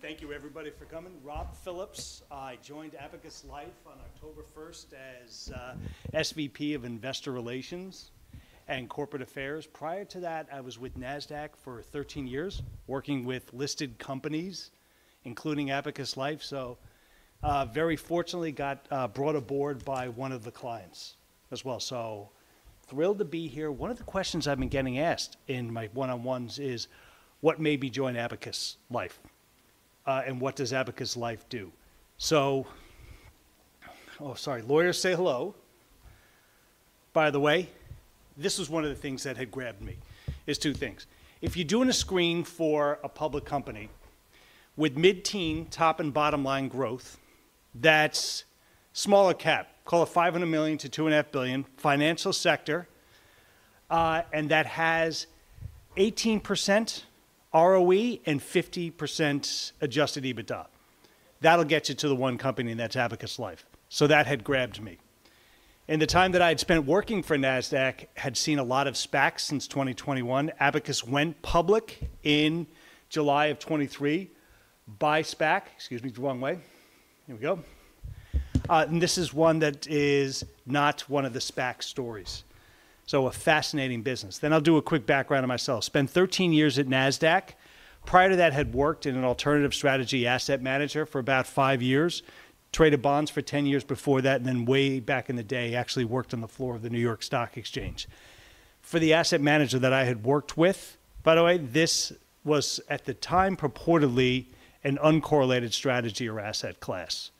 Thank you, everybody, for coming. Rob Phillips, I joined Abacus Life on October 1st as SVP of Investor Relations and Corporate Affairs. Prior to that, I was with Nasdaq for 13 years, working with listed companies, including Abacus Life. So, very fortunately, got brought aboard by one of the clients as well. So, thrilled to be here. One of the questions I've been getting asked in my one-on-ones is, what made me join Abacus Life? And what does Abacus Life do? So, oh, sorry, lawyers say hello. By the way, this was one of the things that had grabbed me. It's two things. If you're doing a screen for a public company with mid-teen, top and bottom line growth, that's smaller cap, call it $500 million-$2.5 billion, financial sector, and that has 18% ROE and 50% adjusted EBITDA, that'll get you to the one company, and that's Abacus Life. So, that had grabbed me. And the time that I had spent working for Nasdaq had seen a lot of SPACs since 2021. Abacus went public in July of 2023 by SPAC. Excuse me, the wrong way. Here we go. And this is one that is not one of the SPAC stories. So, a fascinating business. Then I'll do a quick background on myself. Spent 13 years at Nasdaq. Prior to that, had worked in an alternative strategy asset manager for about five years. Traded bonds for 10 years before that, and then way back in the day, actually worked on the floor of the New York Stock Exchange. For the asset manager that I had worked with, by the way, this was at the time purportedly an uncorrelated strategy or asset class.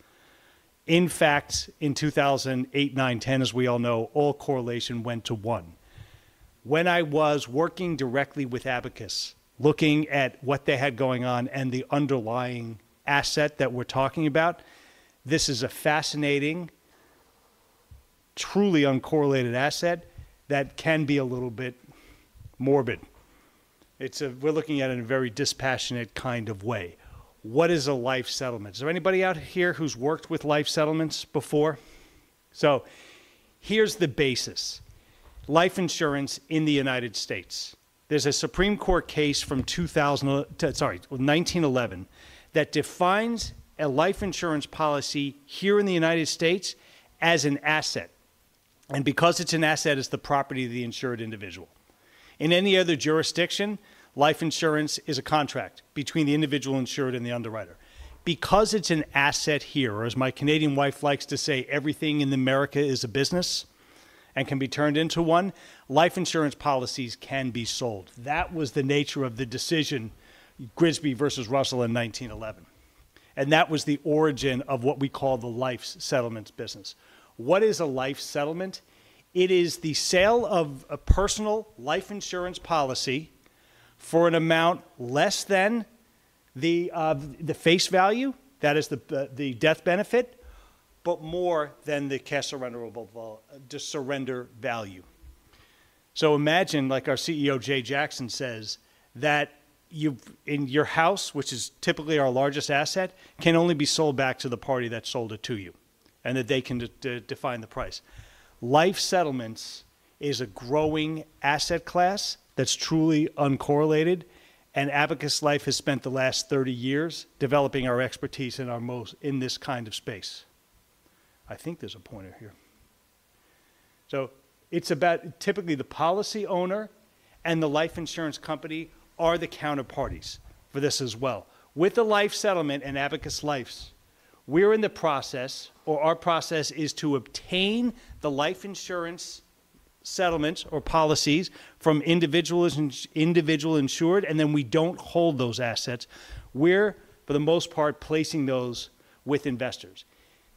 In fact, in 2008, 2009, 2010, as we all know, all correlation went to one. When I was working directly with Abacus, looking at what they had going on and the underlying asset that we're talking about, this is a fascinating, truly uncorrelated asset that can be a little bit morbid. We're looking at it in a very dispassionate kind of way. What is a life settlement? Is there anybody out here who's worked with life settlements before? So, here's the basis. Life insurance in the United States. There's a Supreme Court case from 2000, sorry, 1911, that defines a life insurance policy here in the United States as an asset. And because it's an asset, it's the property of the insured individual. In any other jurisdiction, life insurance is a contract between the individual insured and the underwriter. Because it's an asset here, or as my Canadian wife likes to say, everything in America is a business and can be turned into one, life insurance policies can be sold. That was the nature of the decision, Grigsby versus Russell in 1911. And that was the origin of what we call the life settlements business. What is a life settlement? It is the sale of a personal life insurance policy for an amount less than the face value, that is the death benefit, but more than the surrender value. So, imagine, like our CEO, Jay Jackson, says that in your house, which is typically our largest asset, can only be sold back to the party that sold it to you, and that they can define the price. Life settlements is a growing asset class that's truly uncorrelated, and Abacus Life has spent the last 30 years developing our expertise in this kind of space. I think there's a pointer here. So, it's about typically the policy owner and the life insurance company are the counterparties for this as well. With the life settlement and Abacus Life, we're in the process, or our process is to obtain the life insurance settlements or policies from individuals and individual insured, and then we don't hold those assets. We're, for the most part, placing those with investors.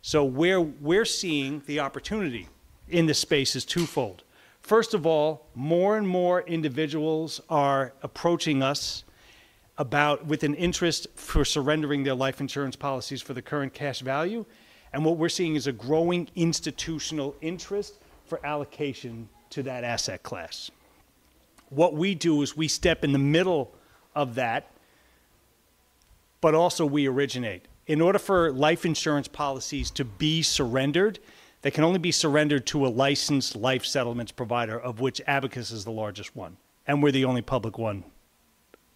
So, where we're seeing the opportunity in this space is twofold. First of all, more and more individuals are approaching us with an interest for surrendering their life insurance policies for the current cash value, and what we're seeing is a growing institutional interest for allocation to that asset class. What we do is we step in the middle of that, but also we originate. In order for life insurance policies to be surrendered, they can only be surrendered to a licensed life settlements provider, of which Abacus is the largest one, and we're the only public one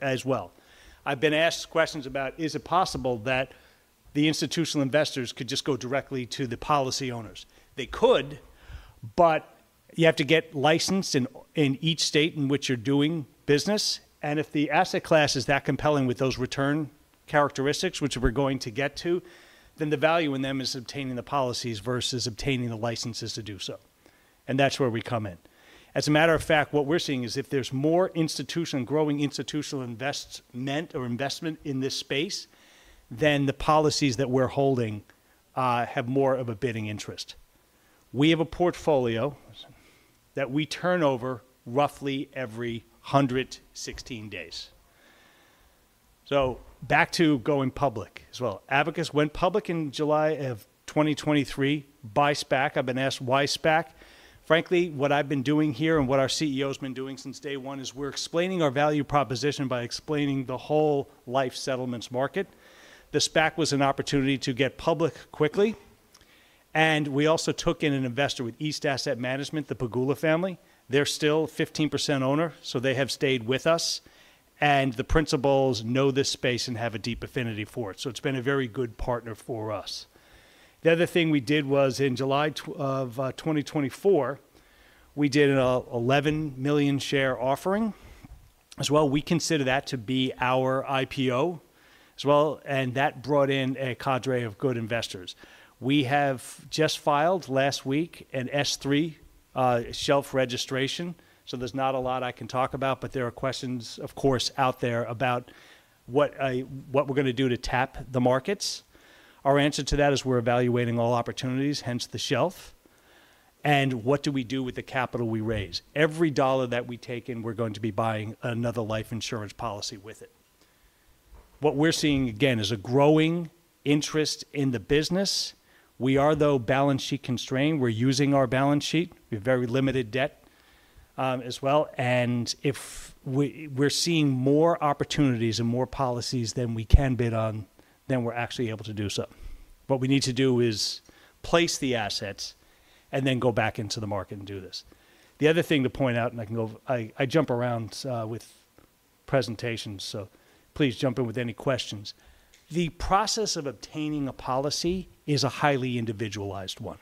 as well. I've been asked questions about, is it possible that the institutional investors could just go directly to the policy owners? They could, but you have to get licensed in each state in which you're doing business. And if the asset class is that compelling with those return characteristics, which we're going to get to, then the value in them is obtaining the policies versus obtaining the licenses to do so. And that's where we come in. As a matter of fact, what we're seeing is if there's more institutional growing institutional investment or investment in this space, then the policies that we're holding have more of a bidding interest. We have a portfolio that we turn over roughly every 116 days. So, back to going public as well. Abacus went public in July of 2023 by SPAC. I've been asked, why SPAC? Frankly, what I've been doing here and what our CEO's been doing since day one is we're explaining our value proposition by explaining the whole life settlements market. The SPAC was an opportunity to get public quickly. And we also took in an investor with East Asset Management, the Pegula family. They're still 15% owner, so they have stayed with us. And the principals know this space and have a deep affinity for it. So, it's been a very good partner for us. The other thing we did was in July of 2024, we did an $11 million share offering as well. We consider that to be our IPO as well. And that brought in a cadre of good investors. We have just filed last week an S-3 shelf registration. So, there's not a lot I can talk about, but there are questions, of course, out there about what we're going to do to tap the markets. Our answer to that is we're evaluating all opportunities, hence the shelf. And what do we do with the capital we raise? Every dollar that we take in, we're going to be buying another life insurance policy with it. What we're seeing, again, is a growing interest in the business. We are, though, balance sheet constrained. We're using our balance sheet. We have very limited debt as well, and if we're seeing more opportunities and more policies than we can bid on, then we're actually able to do so. What we need to do is place the assets and then go back into the market and do this. The other thing to point out, and I can go. I jump around with presentations, so please jump in with any questions. The process of obtaining a policy is a highly individualized one.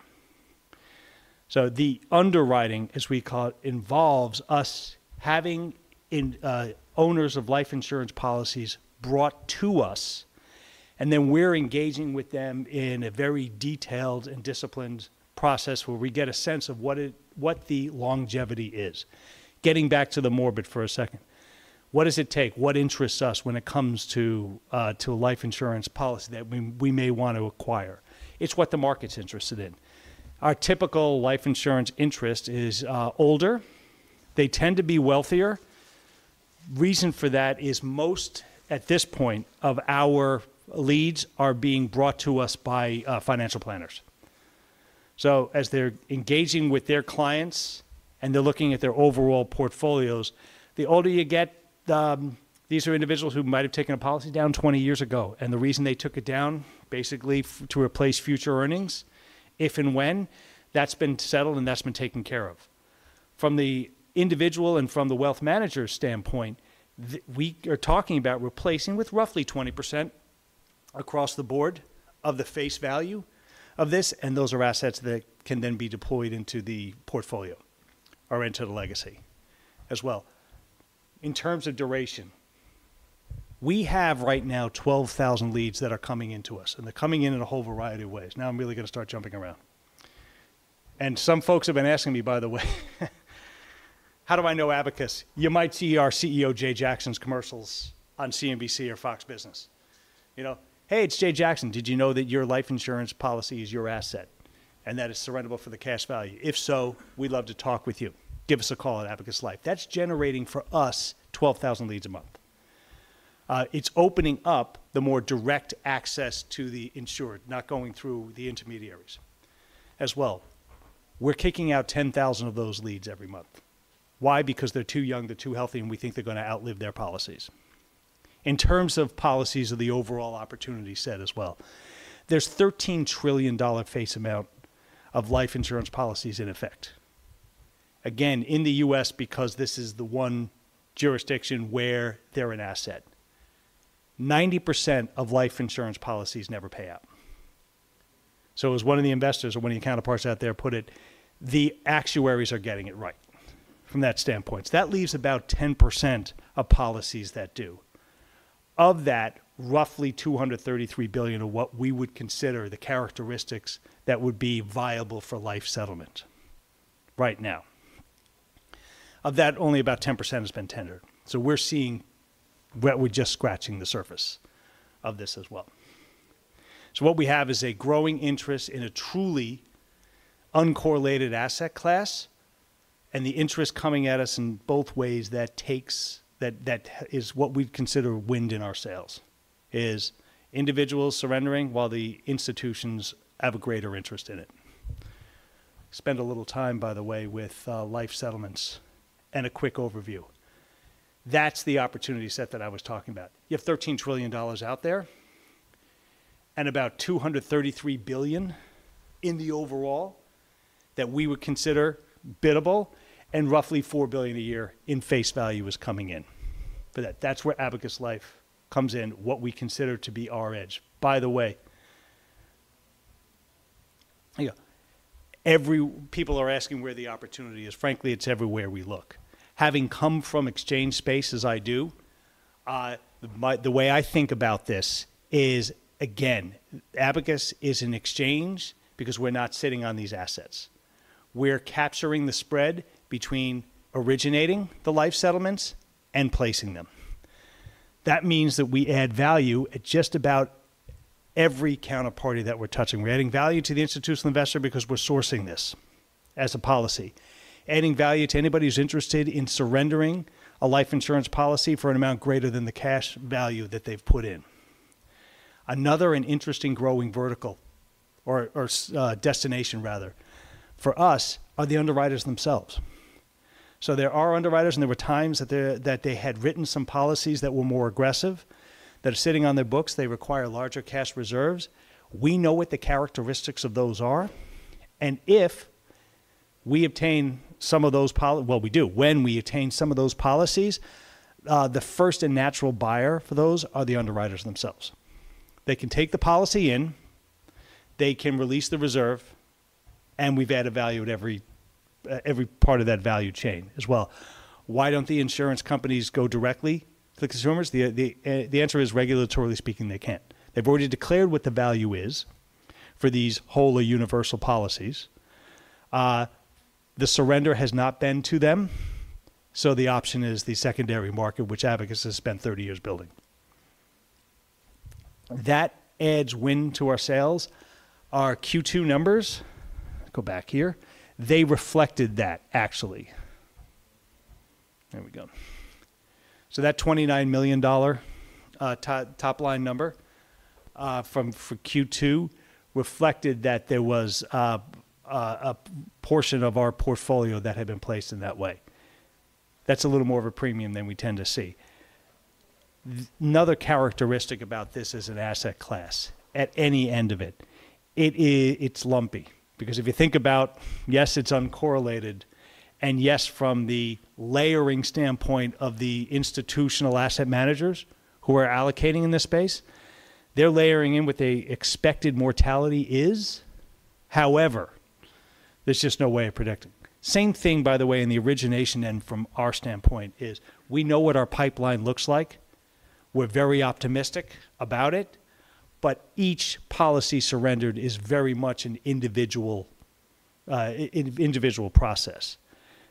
So, the underwriting, as we call it, involves us having owners of life insurance policies brought to us, and then we're engaging with them in a very detailed and disciplined process where we get a sense of what the longevity is. Getting back to the morbid for a second. What does it take? What interests us when it comes to a life insurance policy that we may want to acquire? It's what the market's interested in. Our typical life insurance insured is older. They tend to be wealthier. Reason for that is most at this point of our leads are being brought to us by financial planners. So, as they're engaging with their clients and they're looking at their overall portfolios, the older you get, these are individuals who might have taken out a policy 20 years ago. And the reason they took it down, basically to replace future earnings, if and when, that's been settled and that's been taken care of. From the individual and from the wealth manager's standpoint, we are talking about replacing with roughly 20% across the board of the face value of this. And those are assets that can then be deployed into the portfolio or into the legacy as well. In terms of duration, we have right now 12,000 leads that are coming into us. And they're coming in in a whole variety of ways. Now I'm really going to start jumping around. And some folks have been asking me, by the way, how do I know Abacus? You might see our CEO, Jay Jackson's commercials on CNBC or Fox Business. You know, hey, it's Jay Jackson. Did you know that your life insurance policy is your asset and that it's surrenderable for the cash value? If so, we'd love to talk with you. Give us a call at Abacus Life. That's generating for us 12,000 leads a month. It's opening up the more direct access to the insured, not going through the intermediaries as well. We're kicking out 10,000 of those leads every month. Why? Because they're too young, they're too healthy, and we think they're going to outlive their policies. In terms of policies of the overall opportunity set as well, there's $13 trillion face amount of life insurance policies in effect. Again, in the U.S., because this is the one jurisdiction where they're an asset, 90% of life insurance policies never pay out. It was one of the investors or one of the counterparts out there [who] put it, the actuaries are getting it right from that standpoint. That leaves about 10% of policies that do. Of that, roughly $233 billion of what we would consider the characteristics that would be viable for life settlement right now. Of that, only about 10% has been tendered. We're seeing what we're just scratching the surface of this as well. What we have is a growing interest in a truly uncorrelated asset class. And the interest coming at us in both ways that takes that is what we consider wind in our sails is individuals surrendering while the institutions have a greater interest in it. Spend a little time, by the way, with life settlements and a quick overview. That's the opportunity set that I was talking about. You have $13 trillion out there and about $233 billion in the overall that we would consider biddable and roughly $4 billion a year in face value is coming in for that. That's where Abacus Life comes in, what we consider to be our edge. By the way, people are asking where the opportunity is. Frankly, it's everywhere we look. Having come from exchange space as I do, the way I think about this is, again, Abacus is an exchange because we're not sitting on these assets. We're capturing the spread between originating the life settlements and placing them. That means that we add value at just about every counterparty that we're touching. We're adding value to the institutional investor because we're sourcing this as a policy. Adding value to anybody who's interested in surrendering a life insurance policy for an amount greater than the cash value that they've put in. Another interesting growing vertical or destination, rather, for us are the underwriters themselves. So, there are underwriters and there were times that they had written some policies that were more aggressive that are sitting on their books. They require larger cash reserves. We know what the characteristics of those are. And if we obtain some of those policies, well, we do, when we obtain some of those policies, the first and natural buyer for those are the underwriters themselves. They can take the policy in, they can release the reserve, and we've added value at every part of that value chain as well. Why don't the insurance companies go directly to the consumers? The answer is, regulatorily speaking, they can't. They've already declared what the value is for these whole or universal policies. The surrender has not been to them. So, the option is the secondary market, which Abacus has spent 30 years building. That adds wind to our sales. Our Q2 numbers, they reflected that actually. So, that $29 million top line number from Q2 reflected that there was a portion of our portfolio that had been placed in that way. That's a little more of a premium than we tend to see. Another characteristic about this is an asset class at any end of it. It's lumpy because if you think about, yes, it's uncorrelated and yes, from the layering standpoint of the institutional asset managers who are allocating in this space, they're layering in with the expected mortality is. However, there's just no way of predicting. Same thing, by the way, in the origination end from our standpoint is we know what our pipeline looks like. We're very optimistic about it, but each policy surrendered is very much an individual process.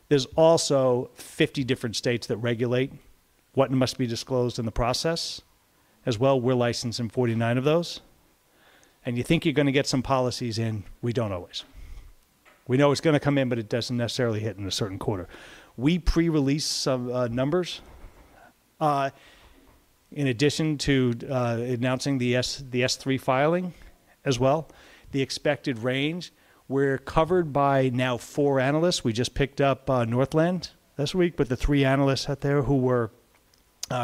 There's also 50 different states that regulate what must be disclosed in the process as well. We're licensed in 49 of those, and you think you're going to get some policies in, we don't always. We know it's going to come in, but it doesn't necessarily hit in a certain quarter. We pre-release some numbers in addition to announcing the S-3 filing as well. The expected range. We're covered by now four analysts. We just picked up Northland this week with the three analysts out there who were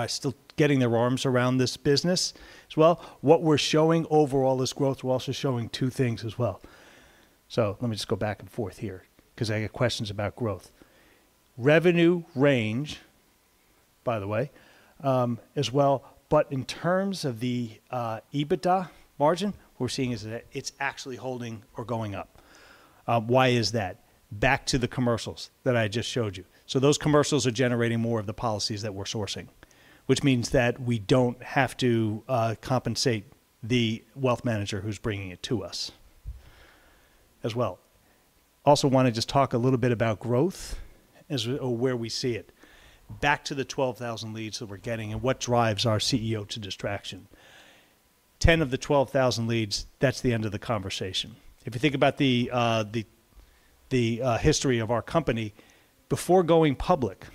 still getting their arms around this business as well. What we're showing overall is growth. We're also showing two things as well. So, let me just go back and forth here because I get questions about growth. Revenue range, by the way, as well, but in terms of the EBITDA margin, what we're seeing is that it's actually holding or going up. Why is that? Back to the commercials that I just showed you. So, those commercials are generating more of the policies that we're sourcing, which means that we don't have to compensate the wealth manager who's bringing it to us as well. Also want to just talk a little bit about growth as where we see it. Back to the 12,000 leads that we're getting and what drives our CEO to distraction. 10 of the 12,000 leads, that's the end of the conversation. If you think about the history of our company, before going public,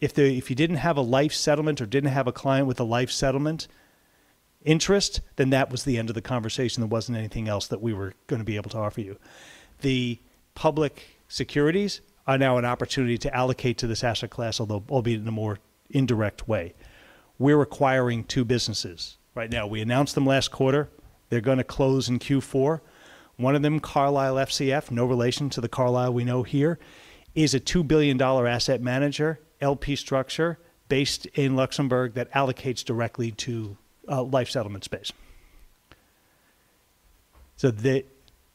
if you didn't have a life settlement or didn't have a client with a life settlement interest, then that was the end of the conversation. There wasn't anything else that we were going to be able to offer you. The public securities are now an opportunity to allocate to this asset class, although it'll be in a more indirect way. We're acquiring two businesses right now. We announced them last quarter. They're going to close in Q4. One of them, Carlisle SCA FCF, no relation to the Carlyle we know here, is a $2 billion asset manager, LP structure based in Luxembourg that allocates directly to life settlement space. So, they've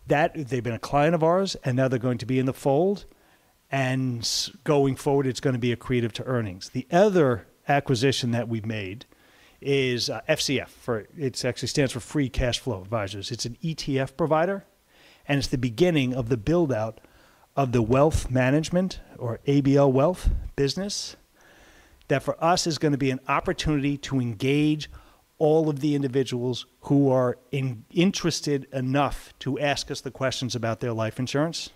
been a client of ours and now they're going to be in the fold, and going forward, it's going to be accretive to earnings. The other acquisition that we've made is FCF. It actually stands for Free Cash Flow Advisors. It's an ETF provider and it's the beginning of the buildout of the wealth management or ABL Wealth business that for us is going to be an opportunity to engage all of the individuals who are interested enough to ask us the questions about their life insurance,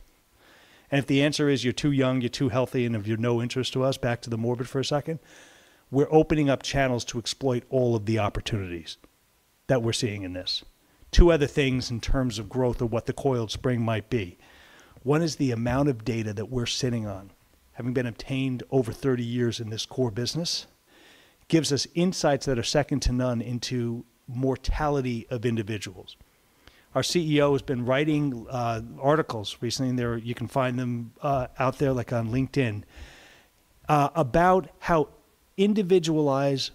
and if the answer is you're too young, you're too healthy, and you're of no interest to us, back to the morbid for a second, we're opening up channels to exploit all of the opportunities that we're seeing in this. Two other things in terms of growth of what the coiled spring might be. One is the amount of data that we're sitting on, having been obtained over 30 years in this core business, gives us insights that are second to none into mortality of individuals. Our CEO has been writing articles recently. You can find them out there like on LinkedIn about how individualized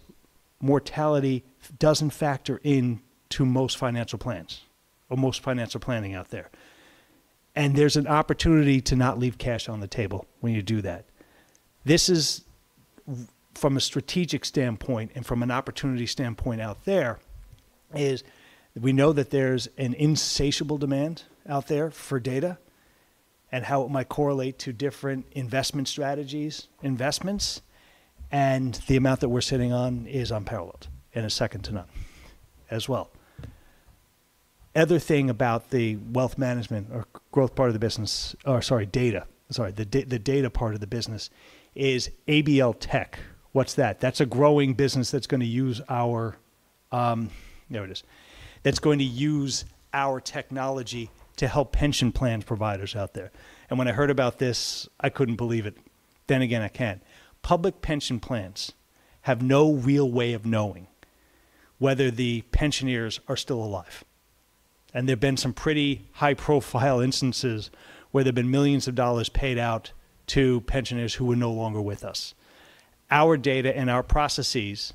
mortality doesn't factor into most financial plans or most financial planning out there, and there's an opportunity to not leave cash on the table when you do that. This is from a strategic standpoint and from an opportunity standpoint out there is we know that there's an insatiable demand out there for data and how it might correlate to different investment strategies, investments, and the amount that we're sitting on is unparalleled and is second to none as well. Other thing about the wealth management or growth part of the business, or sorry, data, sorry, the data part of the business is ABL Tech. What's that? That's a growing business that's going to use our, there it is. That's going to use our technology to help pension plan providers out there. When I heard about this, I couldn't believe it. Then again, I can't. Public pension plans have no real way of knowing whether the pensioners are still alive. There have been some pretty high-profile instances where there have been millions of dollars paid out to pensioners who were no longer with us. Our data and our processes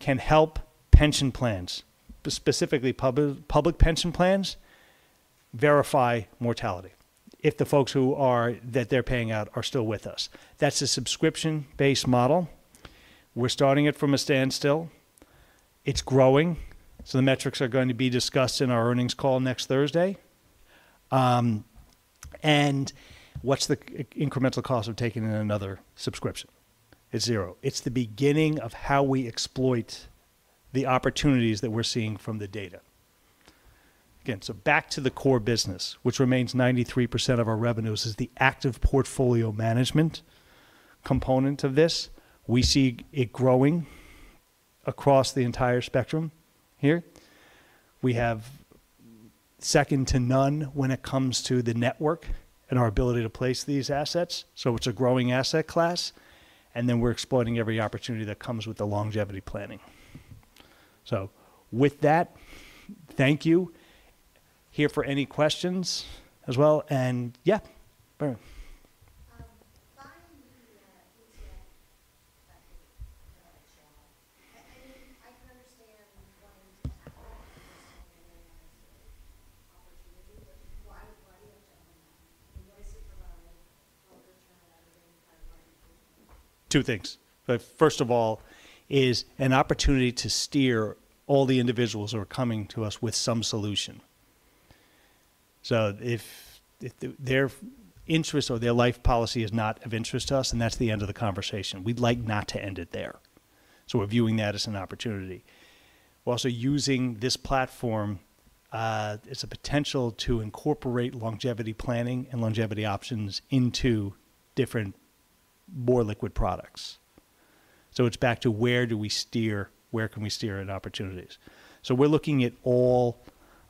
can help pension plans, specifically public pension plans, verify mortality if the folks that they're paying out are still with us. That's a subscription-based model. We're starting it from a standstill. It's growing. The metrics are going to be discussed in our earnings call next Thursday. What's the incremental cost of taking in another subscription? It's zero. It's the beginning of how we exploit the opportunities that we're seeing from the data. Again, so back to the core business, which remains 93% of our revenues, is the active portfolio management component of this. We see it growing across the entire spectrum here. We have second to none when it comes to the network and our ability to place these assets. So, it's a growing asset class. And then we're exploiting every opportunity that comes with the longevity planning. So, with that, thank you. Here for any questions as well. And yeah, Barry. Buying the ETF, I mean, I can understand why you just have to have this opportunity. Why do you have to have an opportunity? Why does it provide longer-term revenue by a larger portion? Two things. First of all, it is an opportunity to steer all the individuals who are coming to us with some solution. So, if their interest or their life policy is not of interest to us, then that's the end of the conversation. We'd like not to end it there. So, we're viewing that as an opportunity. We're also using this platform. It's a potential to incorporate longevity planning and longevity options into different more liquid products. So, it's back to where do we steer, where can we steer at opportunities. So, we're looking at all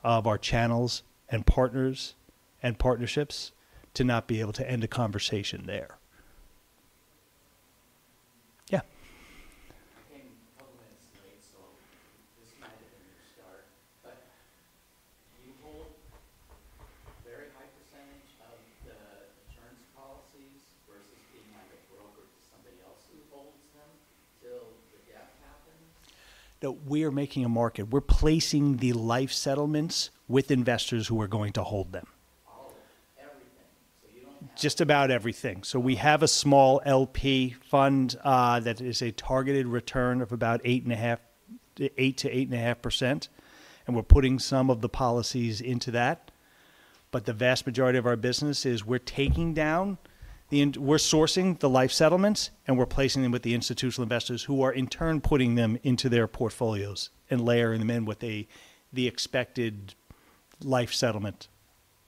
of our channels and partners and partnerships to not be able to end a conversation there. Yeah. In a couple of minutes, right? So, this might have been your start, but do you hold a very high percentage of the returns policies versus being like a broker to somebody else who holds them till the death happens? No, we are making a market. We're placing the life settlements with investors who are going to hold them. Oh, everything. So, you don't have to. Just about everything. So, we have a small LP fund that is a targeted return of about 8%-8.5%. And we're putting some of the policies into that. But the vast majority of our business is. We're sourcing the life settlements and we're placing them with the institutional investors who are in turn putting them into their portfolios and layering them in with the expected life settlement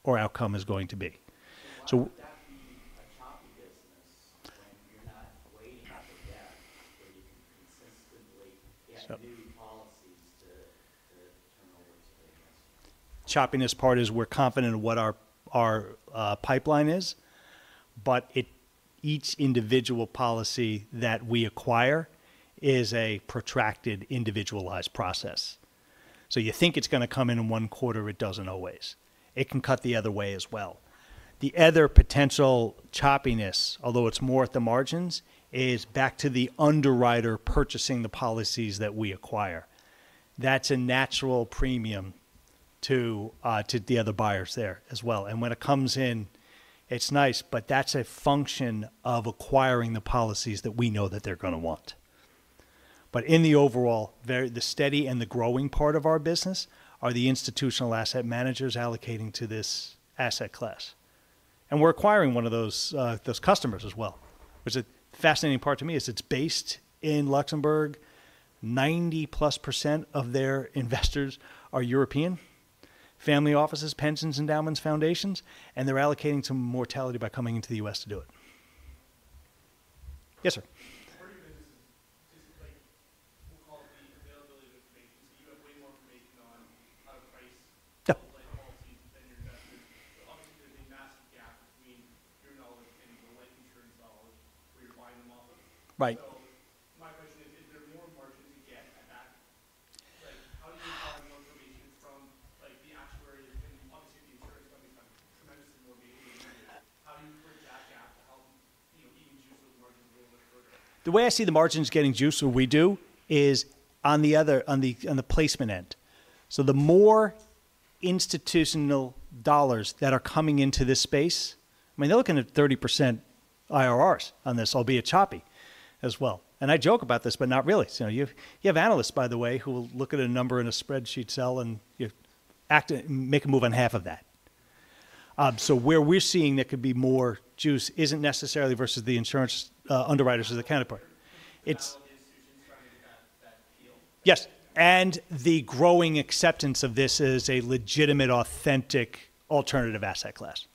or outcome is going to be. So. Is that the choppy business when you're not waiting for death where you can consistently get new policies to turn over to the investors? Choppiness part is we're confident in what our pipeline is, but each individual policy that we acquire is a protracted individualized process. So, you think it's going to come in one quarter, it doesn't always. It can cut the other way as well. The other potential choppiness, although it's more at the margins, is back to the underwriter purchasing the policies that we acquire. That's a natural premium to the other buyers there as well. And when it comes in, it's nice, but that's a function of acquiring the policies that we know that they're going to want. But in the overall, the steady and the growing part of our business are the institutional asset managers allocating to this asset class. And we're acquiring one of those customers as well. What's a fascinating part to me is it's based in Luxembourg. 90-plus% of their investors are European, family offices, pensions, endowments, foundations, and they're allocating some mortality by coming into the US to do it. Yes, sir. Part of your business is basically, we'll call it the availability of information. So, you have way more information on how to price life policies than your investors. But obviously, there's a massive gap between your knowledge and the life insurance knowledge where you're buying them off of. So, my question is, is there more margin to get at that? How do you acquire more information from the actuaries? And obviously, the insurance companies have tremendously more data than you do. How do you bridge that gap to help even juice those margins a little bit further? The way I see the margins getting juiced, what we do is on the placement end. So, the more institutional dollars that are coming into this space, I mean, they're looking at 30% IRRs on this, albeit choppy as well. And I joke about this, but not really. You have analysts, by the way, who will look at a number in a spreadsheet, sell, and make a move on half of that. So, where we're seeing there could be more juice isn't necessarily versus the insurance underwriters of the counterpart and the institutions trying to adapt that field. Yes, and the growing acceptance of this is a legitimate, authentic alternative asset class.